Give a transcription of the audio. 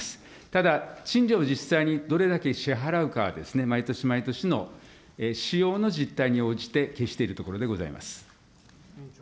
ただ、賃料、実際にどれだけ支払うかはですね、毎年毎年の使用の実態に応じて決しているところでございます。